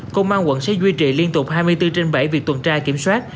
công an tp hcm sẽ duy trì liên tục hai mươi bốn trên bảy việc tuần tra kiểm soát